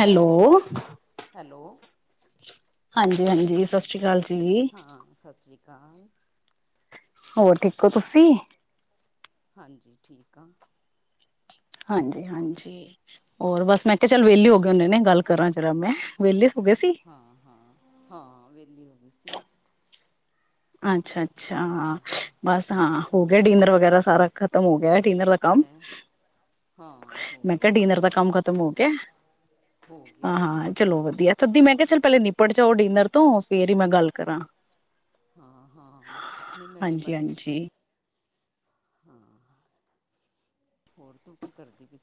Hello. Hello. ਹਾਂਜੀ ਹਾਂਜੀ ਸਿ ਸ੍ਰੀ ਕਾਲ ਜੀ। ਹਾਂ ਸਿ ਸ੍ਰੀ ਕਾਲ ਹੋਰ ਠੀਕ ਹੋ ਤੁਸੀਂ? ਹਾਂਜੀ ਠੀਕ ਆ। ਹਾਂਜੀ ਹਾਂਜੀ ਹੋਰ ਬਸ ਮੈਂ ਤੇ ਚੱਲ ਵਿਹਲੀ ਹੋ ਗਏ ਉਹਨੇ ਨੇ ਗੱਲ ਕਰਾਂ ਚਲਾ ਮੈਂ ਵਿਹਲੇ ਹੋ ਗਏ ਸੀ? ਹਾਂ ਹਾਂ ਹਾਂ ਵੇਹਲੀ ਹੋ ਇਸਸੀ ਅੱਛਾ ਅੱਛ ਅੱਛਾ ਬਸ ਹਾਂ ਹੋ ਗਿਆ ਹੋਰ ਡੀਂਨਰ ਵਗੈਰਾ ਸਾਰਾ ਮੁ ਗਿਆਿਆ ਡਿਨਰ ਦਾ ਕੰਮ ਹੈਂ ਹਾਂ ਹੋ ਮੈਂ ਕਿਹਾ ਗਿਆ ਡਿਨਰ ਦਾ ਕੰਮ ਖਤਮ ਹੋ ਕੇ ਹੋ ਗਿਆ ਹਾਂ ਹਾਂ ਹੋਰ ਚਲੋ ਤੂੰ ਵਧੀਆ ਦੀ ਤੂੰ ਮੈਂ ਕਿਹਾ ਚੱਲ ਪਹਿਲੇ ਨਿਪੜ ਜਾਓ ਡਿਨਰ ਤੋਂ ਫਰ ਹੀ ਮੈਂ ਗੱਲ ਕਰਾਂ ਹਾਂ ਹਾਂ ਨ ਮੈਂ ਨਿਮਟਕ ਹਾਂਜੀ-ਹਾਂਜੀ ਸੀ ਹਾਂ ਹੋਰ ਤੂੰ ਕੀ ਕਰਦੀ ਪ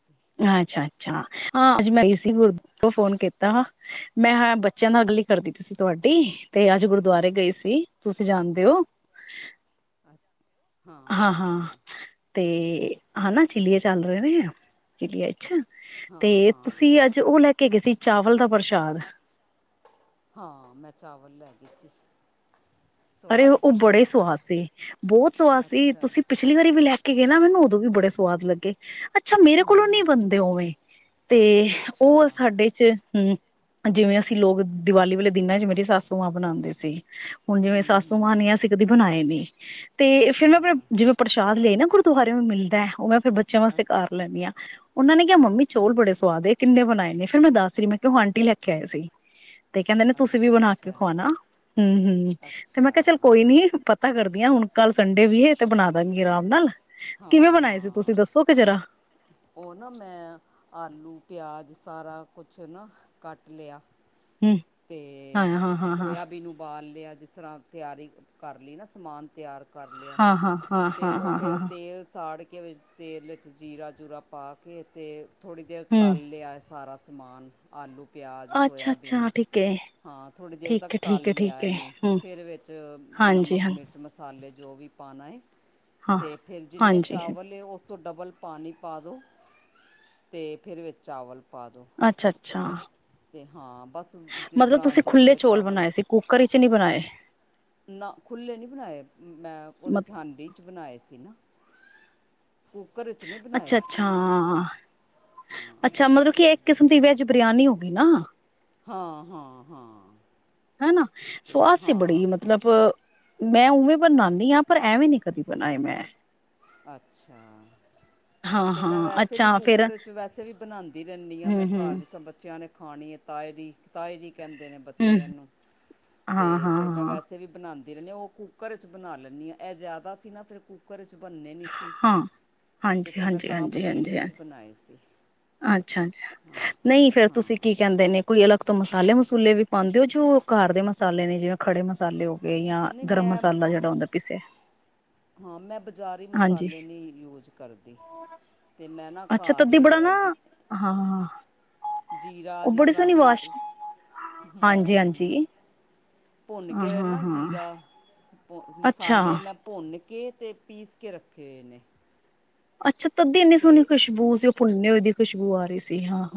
ਅੱਛਾ ਅੱਛਾ ਹਾਂ ਅੱਜ ਮੈਂਈ ਸੀ ਗੁਰ ਤੋਂ ਫੋਨ ਕੀਤਾ ਮੈਂ ਬੱਚਿਆਂ ਨਾਲ ਅਗਲੀ ਕਰਦੀ ਪਈ ਸੀ ਤੁਹਾਡੀ ਤੇ ਅੱਜ ਗੁਰਦੁਆਰੇ ਗਈ ਸੀ ਤੁਸੀਂ ਜਾਣਦੇ ਅੱਛ ਹੋ ਅੱਛ ਹਾਂ ਹਾਂ ਤੇ ਤੇ ਹਨਾ ਚਿੱਲੀਏ ਚੱਲ ਰਹੇ ਨੇ ਆ ਚਿੱਲੀਆ ਅੱਛਾ ਹਾਂ ਤੇ ਹਾਂ ਤੁਸੀਂ ਅੱਜ ਉਹ ਲੈ ਕੇ ਗਏ ਸੀ ਚਾਵਲ ਦਾ ਪ੍ਰਸ਼ਾਦ ਹਾਂ ਮੈਂ ਚਾਵਲ ਲੈ ਗਈ ਸੀ ਅਰੇ ਸਵਾਦ ਉਹ ਉਹ ਸੀ ਬੜੇ ਹੀ ਸਵਾਦ ਸੀ ਬਹੁਤ ਸਵਾਦ ਸੀ ਅੱਛਾ ਤੁਸੀਂ ਪਿਛਲੀ ਵਾਰੀ ਵੀ ਲੈ ਕੇ ਗ ਨਾ ਮੈਨੂੰ ਉਦੋਂ ਵੀ ਬੜੇ ਸਵਾਦ ਲੱਗੇ ਅੱਛਾ ਮੇਰੇ ਕੋਲੋਂ ਨੀ ਬਣਦੇ ਹੋਵੇਂ ਤੇ ਅੱਛਾ ਉਹ ਸਾਡੇ ਚ ਹਮ ਜਿਵੇਂ ਅਸੀਂ ਲੋਕ ਦੀਵਾਲੀ ਵਾਲੇ ਦਿਨਾਂ ਚ ਮੇਰੀ ਸੱਸੂ ਮਾਂ ਬਨਾਉਂਦੇ ਸੀ ਹੁਣ ਜਿਵੇਂ ਹੂੰ ਸੂ ਹੂੰ ਨੀ ਅਸੀਂ ਕਦੀ ਬਣਾਏ ਨੀ ਤੇ ਫੇਿਰ ਮੈਂ ਅੱਛਾ ਆਪਣੇ ਜਿਵੇਂ ਪ੍ਰਸ਼ਾਦ ਲਏ ਨਾ ਗੁਰੂ ਤੁੁਹਾਰੇ ਨੂੰ ਮਿਲਦਾ ਹੈ ਉਹ ਮੈਂ ਫਿਰ ਬੱਚਿਆਂ ਅੱ ਵਾਸਤੇ ਕਰ ਲੈਂਦੀ ਹਾਂ ਉਹਨਾਂ ਨੇ ਕਿਹਾ ਮੰਮੀ ਚੋਲ ਅੱਛਾ ਬੜੇ ਸਵਾਦ ਕਿੰਨੇ ਬਣਾਏ ਨੇ ਫੇਿਰ ਮੈਂ ਦੱਸ ਰਹੀ ਮੈਂ ਕਿ ਉਹ ਆਂਟੀ ਲੈ ਕੇ ਆਏਆ ਸੀ ਤੇ ਕਹਿੰਦੇ ਨੇ ਤੁਸੀਂ ਵੀ ਅੱਛਾ ਬਣਾ ਕੇ ਅੱਛਾ ਖਵਾਣਾ ਹਮ ਹਮ ਤੇ ਅੱਛਾ ਮੈਂ ਕਿਹਾ ਚੱਲ ਕੋਈ ਨੀ ਪਤਾ ਕਰਦੀਆਂ ਹੁਣ ਕੱਲ੍ਹ ਸੰਡੇ ਵੀ ਹੈ ਤੇ ਬਣਾ ਦਾਂਗੀ ਆਰਾਮ ਨਾਲ ਕਿਵੇਂ ਹਾਂ ਬਣਾਏ ਸੀ ਹਾਂ ਤੁਸੀਂ ਦੱਸੋਗੇ ਜਰਾ ਉਹ ਨਾ ਮੈਂ ਆਲੂ ਪਿਆਜ਼ ਸਾਰਾ ਕੁਛ ਨਾ ਕੱਟ ਲਿਆ ਹਮ ਹਾਂ ਤੇ ਹਾਂ ਹਾਂ ਹਾਂ ਸੋਇਯਬੀਨ ਉਬਾਲ ਲਿਆ ਜਿਸ ਤਰ੍ਹਾਂ ਤਿਆਰੀ ਕਰ ਲਈ ਨਾ ਸਮਾਨ ਤਿਆਰ ਕਰ ਲਿਆ ਅਤੇ ਉਹ ਫਿਰ ਹਾਂ-ਹਾਂ-ਹਾਂ-ਹਾਂ-ਹਾਂ-ਹਾਂ ਤੇਲ ਸਾੜ ਕੇ ਵਿੱਚ ਤੇਲ ਦੇ ਵਿੱਚ ਜੀਰਾ ਜੂਰਾ ਪਾ ਕੇ ਤੇ ਥੋੜ੍ਹੀ ਦੇਰ ਹੂੰ ਤਲ ਲਿਆ ਸ ਸਾਰਾ ਸਮਾਨ, ਆਲੂ ਪਿਆਜ਼ ਅੱਛਾ ਅੱਛਾ ਸੋਇਆਬੀਨ ਠੀਕ ਹੈ ਹਾਂ ਥੋੜ੍ਹੀ ਦੇਰ ਤੱਕ ਠੀਕ ਹੈ ਠੀਕ ਤਲ ਹੈ ਲਿਆ ਠੀਕ ਹੈ ਇਹਨੂੰ ਹੂੰ ਫਿਰ ਵਿੱਚ ਹਾਂਜੀ ਨਮਕ ਹਾਂ ਮਿਰਚ ਮਸਾਲੇ ਜੋ ਵੀ ਪਾਨਾ ਏ ਹਾਂ। ਫਿਰ ਜਿੰਨੇ ਹਾਂਜੀ ਚਾਵਲ ਏ, ਓ ਤੋਂ ਡਬਲ ਪਾਣੀ ਪਾ ਦੋ ਤੇ ਫਿਰ ਵਿਚ ਚਾਵਲ ਅੱਛਾ-ਅੱਛਾ ਤੇ ਹਾਂ। ਬਸ ਜਿਸ ਤਰ੍ਹਾਂ ਖੁੱਲੇ ਦੂਸਰੇ ਚੌਲ ਚਾਵਲ ਬਣਾਏ ਸੀ ਕੁੱਕਰ ਵਿੱਚ ਨਹੀਂ ਬਣਾਏ ਨਾ, ਖੁੱਲੇ ਨੀ ਬਣਾਏ ਮੈਂ, ਉਹਦੇ ਚ ਮਤ ਹਾਂਡੀ ਬਣਾਏ ਸੀ ਨਾ। ਕੁੱਕਰ 'ਚ ਨਹੀਂ ਬਣਾਏ ਅੱਛਾ-ਅੱਛਾ ਅੱਛਾ, ਮਤਲਬ ਕਿ ਕਿਸਮ ਦੀ ਵੈਜ ਬਰਿਆਨੀ ਹੋ ਗੀ ਨਾ? ਹਾਂ-ਹਾਂ-ਹਾਂ ਹਨਾ। ਸਵਾਦ ਸੀ ਬੜੀ ਮਤਲਬ ਮੈਂ ਉਵੇਂ ਬਨਾਉਂਨੀ ਆ, ਪਰ ਐਵੇਂ ਨੀ ਕਦੀ ਬਣਾਏ ਮੈਂ। ਅੱਛਾ ਹਾਂ ਤੇ ਮੈਂ ਹਾਂ ਵੈਸੇ ਵੀ ਅੱਛਾ ਫੇਰ ਕੁੱਕਰ ਚ ਵੈਸੇ ਵੀ ਬਣਾਉਦੀ ਰਹਿੰਦੀ ਆ। ਹੂੰ ਮੈਂ ਹੂੰ ਘਰ ਜ ਬੱਚਿਆਂ ਨੇ ਖਾਣੀ ਐ। ਤਾਏ ਦੀ, ਤਾਏ ਦੀ। ਕਹਿੰਦੇ ਨੇ ਹੂੰ ਬੱਚੇ ਇਹਨੂੰ। ਤੇ ਹਾਂ ਹਾਂ ਫੇਰ ਮੈਂ ਹਾਂ ਵੈਸੇ ਵੀ ਬਣਾ ਦੇ ਰਹਿੰਨੇ ਓ। ਕੁੱਕਰ ਚ ਬਣਾ ਲੈਂਨੀ ਆ। ਇਹ ਜ਼ਿਆਦਾ ਸੀ ਨਾ, ਫਿਰ ਕੁੱਕਰ ਚ ਬੰਨੇ ਨਹੀਂ ਸੀ ਹਾਂ। ਤੇ ਫਿਰ ਮੈਂ ਤਾਂ ਹਾਂਜੀ-ਹਾਂਜੀ-ਹਾਂਜੀ। ਪਤੀਲੇ 'ਚ ਹਾਂਜੀ-ਹਾਂਜੀ। ਬਣਾਏ ਸੀ ਅੱਛਾ ਅੱਛਾ, ਨਈ ਫੇਰ ਤੁਸੀਂ ਹਾਂ ਕੀ ਕਹਿੰਦੇ ਨੇ, ਕੋਈ ਅਲੱਗ ਤੋਂ ਮਸ ਮਸਾਲੇ ਮਸੂਲੇ ਵੀ ਪਾਉਂਦੇ ਓ? ਜੋ ਘਰ ਦੇ ਮਸਾਲੇ ਨੇ, ਜਿਵੇਂ ਖੜੇ ਮਸਾਲੇ ਓ ਹੋਗੇ ਯਾਂ ਨਹੀਂ ਗਰਮ ਮੈਂ ਮਸਾਲਾ, ਜਿਹੜਾ ਹੁੰਦਾ ਪੀਸੇ ਹਾਂ ਮੈਂ ਬ ਜ਼ਾਰੀ ਮਸਾਲੇ ਨੀ ਯੂਜ ਕਰਦੀ ਤੇ ਮੈਂ ਨਾ ਅੱਛਾ ਘਰ ਤਦੀ ਈ, ਬੜਾ ਨਾ ਐਂਜ ਹਾਂ ਜੀਰਾ, ਉਹ ਜਿਸ ਬੜੀ ਤਰ੍ਹਾਂ ਸੋਹਣੀ ਜੀਰ, ਵਾਸ਼ ਹਾਂਜੀ ਹਾਂਜੀ ਹੂੰ-ਹੂੰ। ਭੁੰਨ ਹਾਂ ਕੇ ਹਾਂ [unintelligible] ਹਾਂ ਜੀਰਾ ਭੁ ਅੱਛਾ ਮਸਾਲੇ ਮੈਂ ਭੁੰਨ ਕੇ ਤੇ ਪੀਸ ਕੇ ਰੱਖੇ ਹੋਏ ਨੇ। ਅੱਛਾ ਤਦੀ ਇੰਨੀ ਸੋਹਣੀ ਤੇ ਖੁਸ਼ਬੂ ਸੀ। ਓ ਭੁੰਨੇ ਹੋਏ ਦੀ ਖੁਸ਼ਬੂ ਆ ਰਈ ਸੀ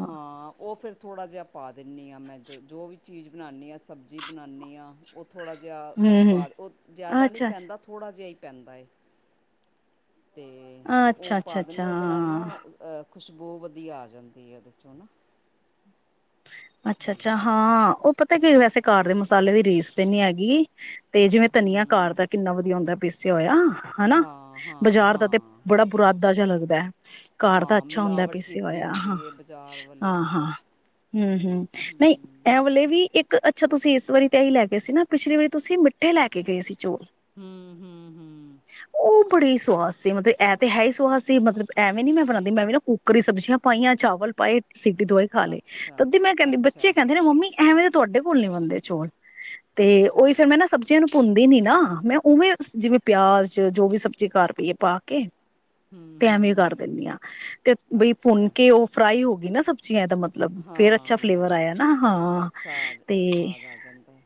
ਹਾਂ, ਉਹ ਫੇਰ ਥੋੜ੍ਹਾ ਜਿਹਾ ਪਾ ਦਿੰਨੀ ਹਾਂ। ਮੈਂ ਜੋ ਜੋ ਵੀ ਚੀਜ਼ ਬਣਾਨੀ ਆ। ਸਬਜ਼ੀ ਬਣਾਨੀ ਆ। ਥੋੜ੍ਹਾ ਜਿਹਾ ਹਮ ਹਮ ਪਾਦੋ, ਜਿਆਦਾ ਨਹੀਂ ਅੱਛਾ ਅੱਛਾ ਪੈਂਦਾ, ਥੋੜ੍ਹਾ ਜਿਹਾ ਹੀ ਪੈਂਦਾ ਏ। ਤੇ ਅੱਛਾ ਉਹ ਅੱਛਾ ਪਾ ਅੱਛਾ ਦਿੰਦੇ। ਉਹਦੇ ਨਾਲ ਹਾਂ ਨਾ ਖੁਸ਼ਬੂ ਵਧੀਆ ਆ ਜਾਂਦੀ ਏ। ਉਹਦੇ 'ਚੋਂ ਹੈ ਨਾ ਅੱਛਾ, ਅੱਛਾ। ਹਾਂ, ਉਹ। ਪਤਾ ਕੀ? ਵੈਸੇ ਘਰ ਦੇ ਮਸਾਲੇ ਦੀ ਰੀਸ ਤੇ ਨੀ ਹੈਗੀ। ਤੇ ਜਿਵੇਂ ਧਨੀਆ ਹੂੰ ਘਰਦਾ, ਕਿੰਨਾ ਵਧੀਆ ਹੁੰਦਾ? ਪੀਸਿਆ ਹੋਇਆ। ਹਨਾ। ਹਾਂ ਹਾਂ ਬਾਜ਼ਾਰ ਦਾ ਤੇ ਹਾਂ ਬੜਾ ਬੁਰਾਦਾ ਜਿਹਾ ਲੱਗਦਾ। [unintelligible] ਘਰ ਦਾ ਹਾਂ, ਅੱਛਾ ਹੁੰਦਾ ਮਿਲਾਵਟ ਪੀਸਿਆ ਕੀਤੀ ਹੋਇਆ ਹੁੰਦੀ। ਇਹ ਬਾਜ਼ਾਰ ਵਲੇ ਚ ਤੇ ਹੂੰ, ਹੂੰ। ਨਹੀਂ ਐਂ ਵਲੇ ਵੀ ਇੱਕ, ਅੱਛਾ ਤੁਸੀਂ ਇਸ ਵਾਰੀ ਤੇ ਹੀ ਲੈ ਗਏ ਸੀ ਨਾ? ਪਿਛਲੀ ਵਾਰੀ ਤੁਸੀਂ ਮਿੱਠੇ ਲੈ ਕੇ ਗਏ ਸੀ। ਚੋਲ। ਹੂੰ ਹੂੰ ਹੂੰ ਉਹ ਬੜੀ ਹੀ ਸਵਾਦ ਸੀ। ਮਤਲਬ ਇਹਂ ਤਾਂ ਹੈ ਹੀ ਸਵਾਦ ਸੀ। ਮਤਲਬ ਐਵੇਂ ਨੀ ਮੈਂ ਬਣਾਉਂਦੀ, ਮੈਂ ਵੀ ਨਾ ਕੁੱਕਰੀ ਸਬਜ਼ੀਆਂ ਪਾਈਆਂ, ਚਾਵਲ ਪਾਏ। ਸੀਟੀ ਦੁਆਈ ਖਾ ਲਏ। ਅੱਛਾ ਮੈਂ ਕਹਿੰਦੇ, ਬਚੇ ਅੱਛਾ ਕਹਿੰਦੇ ਨਾ ਮੰਮੀ ਐਵੇਂ, ਤਾਂ ਤੁਹਾਡੇ ਕੋਲ ਨੀ ਬੰਦੇ ਚੋਲ। ਤੇ ਅੱਛਾ ਉਹੀ ਫੇਰ। ਮੈਂ ਨਾ ਸਬਜ਼ੀਆਂ ਨੂੰ ਭੁੰਦੀ ਨੀ ਨਾ। ਮੈਂ ਉਵੇਂ ਜਿਵੇਂ ਪਿਆਜ, ਜੋ ਵੀ ਸਬਜ਼ੀ ਕਰ ਪਈਏ, ਪਾ ਕੇ ਹੂੰ ਤੇ ਐਵੇਂ ਹੂੰ ਕਰ ਦਿੰਦੀ ਹਾਂ, ਤੇ ਬਈ ਭੁੰਨ ਅੱਛਾ ਕੇ, ਉਹ ਫਰਾਈ ਹੋ ਨਾ ਸਭ ਜੀਆਂ, ਇਹਦਾ ਮਤਲਬ। ਫੇਰ ਅੱਛਾ ਹਾਂ ਫਲੇਵਰ ਆਇਆ ਨਾ? ਹਾਂ ਅੱਛਾ ਆ ਤੇ ਸਵਾਦ ਆ ਜਾਂਦਾ ਹੈ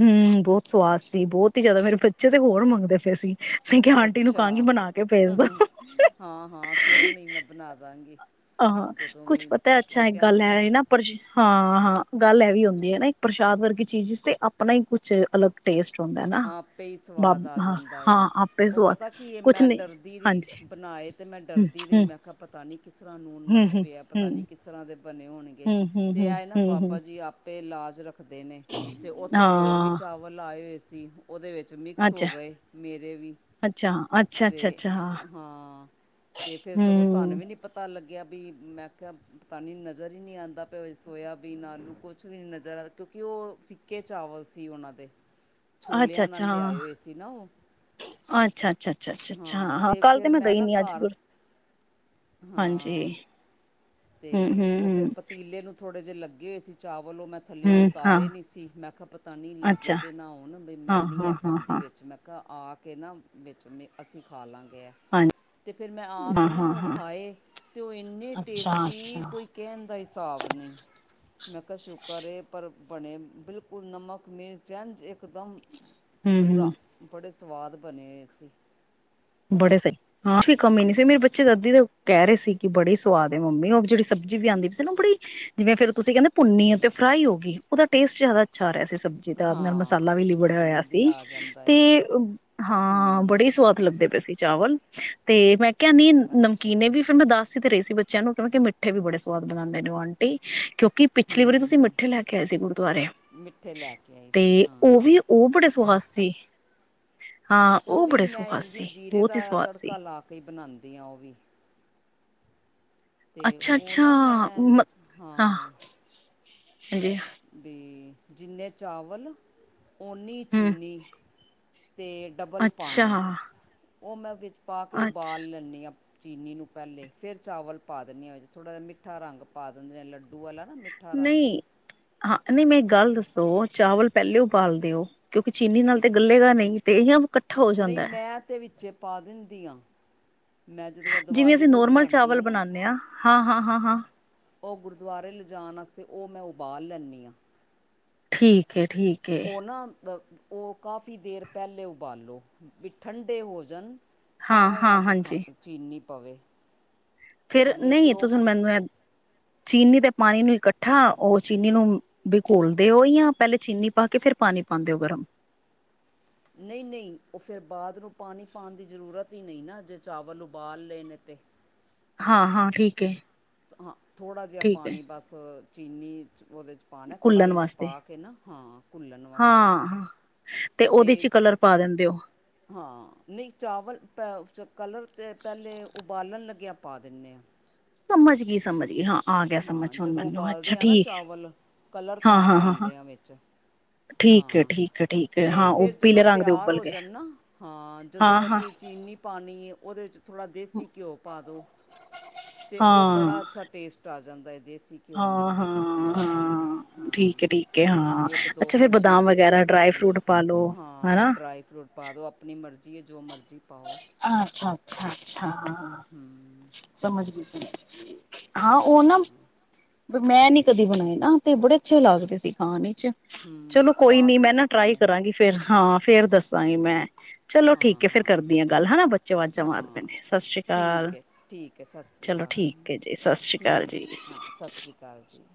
ਹੂੰ। ਬਹੁਤ ਸਵਾਦ ਸੀ। ਬਹੁਤ ਹੀ ਜਿਆਦਾ। ਮੇਰੇ ਬੱਚੇ ਤੇ ਹੋਰ ਮੰਗਦੇ ਪਏ ਸੀ। ਮੈਂ ਕਿਹਾ ਆਂਟੀ ਨੂੰ ਅੱਛਾ। ਕਹਾਂਗੀ ਬਣਾ ਕੇ ਭੇਜ ਦੋ ਹਾਂ, ਹਾਂ। ਕਿਉਂ ਨਹੀਂ ਮੈਂ ਬਣਾ ਦਾਂਗੀ। ਹਾਂ, ਜਦੋਂ ਕੁੱਛ ਵੀ ਪਤਾ, ਬੱਚੇ ਅੱਛਾ ਇੱਕ ਗੱਲ ਕਹਿਣਗੇ ਹੈ ਨਾ ਪਰ ਹਾਂ, ਹਾਂ ਗੱਲ ਇਹ ਵੀ ਹੁੰਦੀ ਹੈ ਨਾ। ਇੱਕ ਪ੍ਰਸ਼ਾਦ ਵਰਗੀ ਚੀਜ਼ ਤੇ ਆਪਣਾ ਹੀ ਕੁਛ ਅਲੱਗ ਟੇਸਟ ਹੁੰਦਾ ਨਾ ਆਪੇ ਹੀ ਬਾਬ ਸਵਾਦ ਆ ਹਾਂ ਜਾਂਦਾ ਏ, ਹਾਂ ਆਪੇ ਉਹ ਸਵਾਦ ਪਤਾ ਕੀ ਇਹ ਕੁਛ ਮੈਂ ਨੀ ਡਰਦੀ ਰਹੀ, ਹਾਂਜੀ ਬਣਾਏ ਤੇ ਮੈਂ ਹੂੰ ਡਰਦੀ ਰਹੀ, ਹੂੰ ਮੈਂ ਕਿਹਾ ਪਤਾ ਨੀ ਕਿਸ ਤਰ੍ਹਾਂ ਨੂਨ ਹੂੰ ਮਰਚ ਪਿਆ, ਹੂੰ ਪਤਾ ਨਹੀਂ ਕਿਸ ਤਰ੍ਹਾਂ ਦੇ ਬਣੇ ਹੋਣਗੇ ਹੂੰ ਹੂੰ ਹੂੰ ਤੇ ਹੂੰ ਆਏ ਨਾ ਹੂੰ ਹੂੰ ਬਾਬਾ ਜੀ ਆਪ ਆਪੇ ਲਾਜ ਰੱਖ ਦੇ ਨੇ ਤੇ ਉੱਥੇ ਹੋਰ ਵੀ ਹਾਂ ਚਾਵਲ ਆਏ ਹੋ ਸੀ। ਉਹਦੇ ਵਿੱਚ ਮਿਕਸ ਅੱਛਾ ਹੋ ਗਏ ਮੇਰੇ ਵੀ, ਅੱਛਾ ਅੱਛਾ ਅੱਛਾ ਤੇ ਅੱਛਾ ਹਾਂ ਹਾਂ ਤੇ ਫਿਰ ਸਗੋਂ ਸਾਨੂੰ ਹੂੰ ਵੀ ਨੀ ਪਤਾ ਲੱਗ ਗਿਆ ਵੀ ਮੈਂ ਕਹਿਆ ਪਤਾ ਨਹੀਂ ਨਜ਼ਰ ਹੀ ਨਹੀਂ ਆਂਦਾ ਪਯਾ ਸੋਇਆਬੀਨ, ਆਲੂ ਕੁਛ ਵੀ ਨੀ ਨਜ਼ਰ ਆਂ ਕਿਉਂਕਿ ਉਹ ਫਿੱਕੇ ਚਾਵਲ ਸੀ ਉਹਨਾਂ ਦੇ। ਅੱਛਾ, ਛੋਲਿਆਂ ਅੱਛਾ, ਨਾਲ ਲਿਆਏ ਹਾ, ਹੋਏ ਸੀ ਨਾ ਉਹ ਅੱਛਾ, ਅੱਛਾ, ਅੱਛਾ, ਅੱਛਾ, ਅੱਛਾ ਹਾਂ ਕੱਲ ਤੇ ਮੈਂ ਗਈ ਨੀ ਅੱਜ ਗੁਰ, ਹਾਂਜੀ। ਹਾਂ ਤੇ ਹੂੰ ਹੂੰ ਉਹ ਫੇਰ ਹੂੰ ਪਤੀਲੇ ਨੂੰ ਥੋੜੇ ਜੇ ਲੱਗੇ ਸੀ ਚਾ ਵੱਲੋਂ ਮੈਂ ਥੱਲਿਓਂ ਹੂੰ ਹਾਂ ਉਤਾਰੇ ਨੀ ਸੀ ਮੈਂ ਕਿਹਾ ਪਤਾ ਨੀ ਅੱਛਾ ਲੱਗੇ ਦੇ ਨਹਾਉਣ ਵੀ ਹਾਂ ਮੈਂ ਨੀ ਹਾਂ ਹੈ ਹਾਂ ਪਾਂਦੀ ਹਾਂ ਵਿੱਚ ਮੈਂ ਕਿਹਾ ਆ ਕੇ ਨਾ ਵਿੱਚ ਮ ਅਸੀਂ ਖਾ ਲਾਂਗ ਹਾਂ ਤੇ ਫਿਰ ਮੈਂ ਆ ਹਾਂ ਕੇ ਨਾ ਹਾਂ ਉਹ ਹਾਂ ਖਾਏ ਤੇ ਉਹ ਇੰਨੇ ਅੱਛਾ ਟੇਸਟ ਅੱਛਾ ਕੀ ਕੋਈ ਕਹਿਣ ਦਾ ਹਿਸਾਬ ਨਹੀਂ। ਮੈਂ ਕਯਾ ਸ਼ੁਕਰ ਏ ਪਰ ਬਣੇ ਬਿਲਕੁਲ ਨਮਕ, ਮਿਰਚ ਏੰਝ ਇਕਦਮ ਹੂੰ ਹੂੰ ਪੂਰਾ, ਬੜੇ ਸਵਾਦ ਬਣੇ ਹੋਏ ਸੀ। ਬੜੇ ਸਹੀ ਹਾਂ ਕਮੀ ਨੀ ਸੀ ਮੇਰੇ ਬੱਚੇ ਦਾਦੀ ਦੇ ਕਹਿ ਰਹੇ ਸੀ ਕਿ ਬੜੀ ਸਵਾਦ ਏ ਮੰਮੀ ਉਹ ਜਿਹੜੀ ਸਬਜ਼ੀ ਵੀ ਆਂਦੀ ਪਈ ਸੀ ਨਾ ਉਹ ਬੜੀ ਜਿਵੇਂ ਫੇਰ ਤੁਸੀਂ ਕਹਿੰਦੇ ਭੁੰਨੀ ਤੇ ਫਰਾਈ ਹੋ ਗਈ, ਉਹਦਾ ਟੇਸਟ ਜ਼ਿਆਦਾ ਅੱਛਾ ਰਿਹਾ ਸਬਜ਼ੀ ਦਾਲ ਨਾਲ ਮਸਾਲਾ ਵੀ ਲਿਬੜਿਆ ਹਾਂ ਹੋਇਆ ਸੀ, ਵਧੀਆ ਆ ਜਾਂਦਾ ਹੈ ਤੇ ਹਾਂ ਬੜੇ ਹਮ ਸਵਾਦ ਲੱਗਦੇ ਚਾਵਲ, ਤੇ ਮੈਂ ਕਹਿੰਦੀ ਨਮਕੀਨ ਅੱਛਾ ਵੀ ਫਿਰ ਮੈਂ ਦੱਸ ਸੀ ਤੇ ਰਹੀ ਸੀ ਬ ਬੱਚਿਆਂ ਨੂੰ ਕੀ ਓ ਮਿੱਠੇ ਵੀ ਬੜੇ ਸਵਾਦ ਬਣਾਂਦੇ ਨੇ ਉਹ ਆਂਟੀ। ਕਿਉਂਕਿ ਪਿਛਲੀ ਵਾਰੀ ਤੁਸੀਂ ਹੂੰ ਮਿੱਠੇ ਲੈ ਕੇ ਆਏ ਸੀ ਗੁਰਦੁਆਰੇ, ਮਿੱਠੇ ਲੈ ਕੇ ਆਈ ਸੀ ਤੇ ਹਾਂ ਉਹ ਵੀ ਉਹ ਬੜੇ ਸਵਾਦ ਸੀੇ। ਹਾਂ ਉਹ ਵੀ ਬੜੇ ਮੈਂ ਸੁਵਾਦ ਇੰਝ ਸੀ। ਜੀਰੇ ਹੀ ਦਾ ਸਵਾਦ ਸੀ ਤੜਕਾ ਲਾ ਕੇ ਬਣਾੰਦੀ ਆ ਉਹ ਵੀ। ਤੇ ਉਹ ਅੱਛਾ-ਅੱਛਾ ਨਾ ਮੈਂ, ਹਾਂ। ਹੰਜੀ। ਹੂੰ ਜਿੰਨੇ ਚਾਵਲ ਓਨੀ ਹੂੰ ਚੀਨੀ। ਤੇ ਡਬਲ ਅੱਛਾ ਪਾਨੀ। ਉਹ ਮੈਂ ਵਿੱਚ ਪਾ ਕੇ ਅੱਛਾ ਉਬਾਲ ਲੈਣੀ ਆ ਚੀਨੀ ਨੂੰ ਪਹਿਲੇ, ਫਿਰ ਚਾਵਲ ਪਾ ਦਿਨੀ ਆ ਥੋੜਾ ਜਿਹਾ। ਮਿੱਠਾ ਰੰਗ ਲੱਡੂ ਵਾਲਾ ਨਾ ਮਿੱਠਾ ਨਹੀਂ, ਰੰਗ ਨਹੀਂ, ਮੈਂ ਗੱਲ ਸੋ ਚਾਵਲ ਪਹਿਲੂ, ਪਾਲ ਦਿਓ ਚੀਨੀ ਨਾਲ ਤੇ ਗੱਲੇ ਗਾ ਨਹੀਂ ਇਕੱਠਾ ਹੋ ਨਹੀਂ ਜਾਂਦਾ ਮੈਂ ਤਾਂ ਵਿੱਚੇ ਪਾ ਦਿੰਦੀ ਆਂ ਜਿਵੇਂ ਅਸੀਂ ਨੋਰਮਲ ਚਾਵਲ ਬਣਾਉਦੇ ਆਂ? ਹਾਂ ਹਾਂ ਹਾਂ? ਉਹ ਗੁਰਦੁਆਰੇ ਲਿਜਾਣ ਵਾਸਤੇ, ਉਹ ਮੈਂ ਉਬਾਲ ਲੈਨੀ ਠੀਕ ਹੈ ਠੀਕ ਏ ਕਾਫੀ ਦੇਰ ਪਹਿਲੇ ਉਬਾਲੋ ਠੰਡੇ ਹੋ ਜਾਣ ਤਾਂ ਉਹਨਾਂ ਹਾਂ-ਹਾਂ ਚਨੀ [unintelligible] ਫਿਰ ਨਹੀਂ, ਤੁਸਾਂ ਮੈਨੂੰ ਚੀਨੀ ਦੇ ਪਾਣੀ ਨੂੰ ਇਕੱਠਾ। ਉਹ ਚੀਨੀ ਨੂੰ ਵੀ ਘੋਲਦੇ ਹੋ ਨਹੀਂ ਨਹੀਂ, ਉਹ ਫਿਰ ਬਾਅਦ ਨੂੰ ਪਾਣੀ ਪਾਣ ਦੀ ਜਰੂਰਤ ਹੀ ਨਹੀਂ ਨਾ। ਜੇ ਚਾਵਲ ਉਬਾਲ ਲਏ ਨੇ ਤੇ ਹਾਂ ਹਾਂ ਠੀਕ ਹੈ ਹਾਂ ਥੋੜਾ ਜਿਹਾ ਪਾਣੀ ਬਸ [unintelligible] ਉਹਦੇ ਚ ਪਾਣੇ, ਘੁੱਲਣ ਕੜਾਈ ਚ ਵਾਸਤੇ ਪਾ ਕੇ ਨਾ? ਹਾਂ, ਭੁੰਨ ਵਾਸਤੇ ਹਾਂ-ਹਾਂ ਉਹਦੇ ਚ ਤੇ ਕਲਰ ਪਾ ਦਿੰਦੇ ਹੋ ਨਹੀਂ ਚਾਵਲ ਕਲਰ ਤੇ ਪਹਿਲੇ, ਉਬਾਲਣ ਲੱਗਿਆਂ ਪਾ ਦਿੰਦੇ ਆ ਸਮਝ ਗਈ, ਸਮਝ ਗਈ, ਹਾਂ ਆ ਗਿਆ ਸਮਝ ਹੁਣ ਜਦੋਂ ਮੈਨੂੰ ਅੱਛਾ ਪਾਲਦੇ ਆ ਨਾ, ਠੀਕ ਹੈ ਚਾਵਲ ਕਲਰ ਹਾਂ ਤਾਂ ਹਾਂ ਹਾਂ ਹਾਂ ਪਾਉਂਦੇ ਆ ਵਿੱਚ? ਠੀਕ ਹੈ ਹਾਂ ਠੀਕ ਹੈ ਠੀਕ ਹੈ ਤੇ ਹਾਂ ਉਹ ਫਿਰ ਪੀਲੇ ਜਦੋਂ ਰੰਗ ਦੇ ਤਿਆਰ ਉਬਲ ਹੋ ਗਏ ਜਾਣ ਨਾ? ਹਾਂ ਜਦੋਂ ਹਾਂ ਅਸੀਂ ਚੀਨੀ ਪਾਣੀ ਉਹਦੇ ਚ ਥੋੜਾ ਦੇਸੀ ਘਿਓ ਪਾ ਦੋ, ਤੇ ਉਹ ਹਾਂ ਬੜਾ ਅੱਛਾ ਟੇਸਟ ਆ ਜਾਂਦਾ ਦੇਸੀ ਘਿਓ ਹਾਂ ਨਾਲ ਹਾਂ, ਹਾਂ ਠੀਕ ਹਾਂ, ਹੈ ਠੀਕ ਹੈ ਹਾਂ ਇੱਕ ਦੋ ਅੱਛਾ ਫਿਰ ਕੜਛੀਆਂ ਬਦਾਮ ਦੇਸੀ ਵਗੈਰਾ ਘਿਓ ਡਰਾਈ ਦੀਆਂ, ਫਰੂਟ ਪਾ ਲੋ ਹਨਾ ਡਰਾਈ ਫਰੂਟ ਪਾ ਦੋ। ਆਪਣੀ ਮਰਜ਼ੀ ਜੀ ਜੋ ਮਰਜ਼ੀ ਪਾਓ ਅੱਛਾ ਅੱਛਾ ਅੱਛਾ- ਹਾਂ ਹੂੰ -ਸਮਝ ਹਾਂ ਉਹ ਨਾ ਮੈਂ ਨੀ ਕਦੇ ਬਣਾਏ ਨਾ ਤੇ ਬੜੇ ਅੱਛੇ ਲੱਗਦੇ ਸੀ ਖਾਣ ਚ ਹੂੰ ਚਲੋ ਕੋਈ ਨੀ ਸਵਾਦ ਮੈਂ ਨਾ ਲੱਗਦੇ ਟਰਾਈ ਨੇ ਕਰਾਂਗੀ ਫੇਰ ਹਾਂ। ਫੇਰ ਦੱਸਾਂਗੀ ਮੈਂ। ਚਲੋ ਹਾਂ ਠੀਕ ਏ ਫੇਰ ਹਾਂ ਕਰਦੀ ਆਂ। ਕੱਲ ਹੈਨਾ ਬੱਚੇ ਵਾਜ਼ਾਂ ਮਾਰਦੇ ਪਏ ਹਾਂ ਨੇ ਸਤਿ ਸ੍ਰੀ ਅਕਾਲ ਠੀਕ ਹੈ ਠੀਕ ਹੈ ਸਤਿ ਸ਼੍ਰੀ ਚਲੋ ਅਕਾਲ ਠੀਕ ਏ ਜੀ ਸਾਸਰੀ ਕਾਲ ਠੀਕ ਜੀ। ਹੈ ਹਾਂ ਸਤਿ ਸ਼੍ਰੀ ਅਕਾਲ ਜੀ